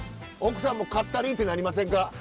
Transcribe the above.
奥さんもかったりいってなりませんか？